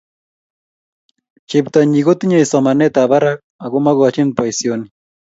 Cheptonyi kotinyei somanetab barak akomokochi boisioni